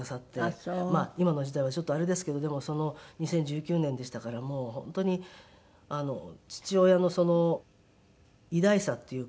今の時代はちょっとあれですけどでも２０１９年でしたからもう本当に父親の偉大さっていうか。